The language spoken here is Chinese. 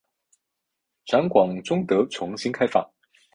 展馆终得重新开放。